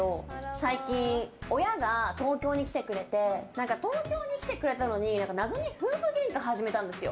最近、親が東京に来てくれて東京に来てくれたのに謎に夫婦げんかを始めたんですよ。